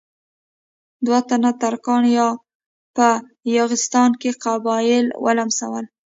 دوه تنه ترکان په یاغستان کې قبایل ولمسول.